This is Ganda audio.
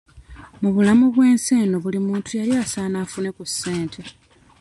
Mu bulamu bw'ensi eno buli muntu yali asaana afune ku ssente.